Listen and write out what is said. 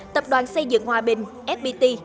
tập đoàn xây dựng hòa bình fpt